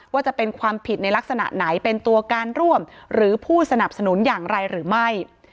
ว่าจะเป็นความผิดในลักษณะไหนเป็นตัวการร่วมหรือผู้สนับสนุนอย่างไรหรือไม่